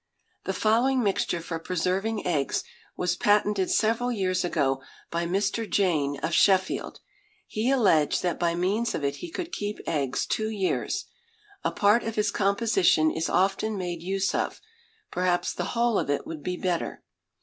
The following mixture for preserving eggs was patented several years ago by Mr. Jayne, of Sheffield. He alleged that by means of it he could keep eggs two years. A part of his composition is often made use of perhaps the whole of it would be better.